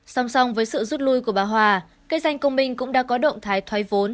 song song với sự rút lui của bà hòa cây xanh công minh cũng đã có động thái thoái vốn